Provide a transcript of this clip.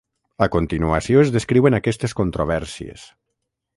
A continuació es descriuen aquestes controvèrsies.